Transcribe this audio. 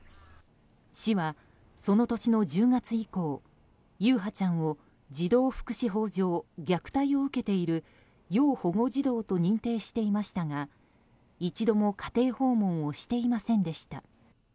市は、その年の１０月以降優陽ちゃんを児童福祉法上虐待を受けている要保護児童と認定していましたが一度も、家庭訪問をしていませんでした。